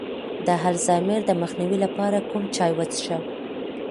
د الزایمر د مخنیوي لپاره کوم چای وڅښم؟